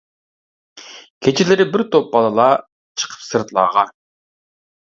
كېچىلىرى بىر توپ بالىلار، چىقىپ سىرتلارغا.